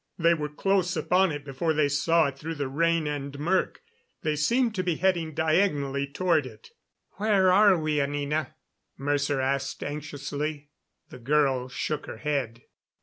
They were close upon it before they saw it through the rain and murk. They seemed to be heading diagonally toward it. "Where are we, Anina?" Mercer asked anxiously. The girl shook her head.